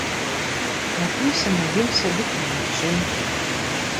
Напіўся, наеўся, дык і маўчы!